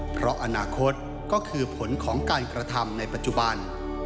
เพราะอนาคตก็คือผลของการกระทำในปัจจุบัน